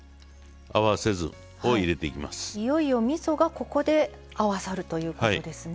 いよいよみそがここで合わさるということですね。